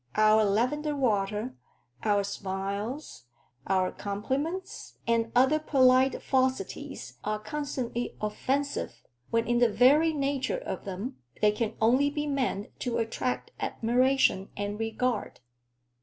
Our lavender water, our smiles, our compliments, and other polite falsities, are constantly offensive, when in the very nature of them they can only be meant to attract admiration and regard.